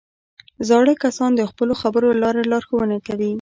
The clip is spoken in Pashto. زاړه کسان د خپلو خبرو له لارې لارښوونه کوي